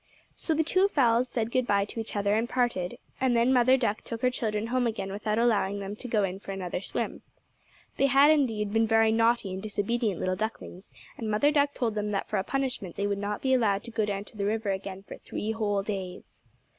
So the two fowls said good bye to each other and parted, and then Mother Duck took her children home again without allowing them to go in for another swim. They had indeed been very naughty and disobedient little ducklings, and Mother Duck told them that for a punishment they would not be allowed to go down to the river again for three whole days.